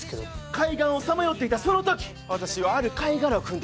海岸をさまよっていたその時私はある貝殻を踏んでいた。